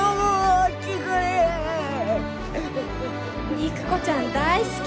肉子ちゃん大好き。